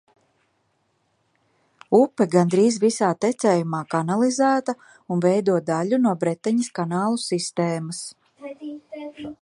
Upe gandrīz visā tecējumā kanalizēta un veido daļu no Bretaņas kanālu sistēmas.